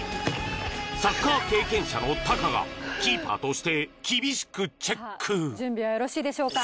サッカー経験者のタカがキーパーとして厳しくチェック準備はよろしいでしょうか